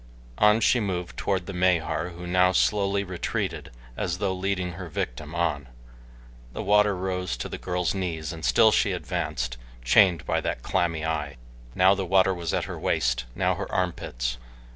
On she moved toward the Mahar, who now slowly retreated as though leading her victim on. The water rose to the girl's knees, and still she advanced, chained by that clammy eye. Now the water was at her waist; now her armpits.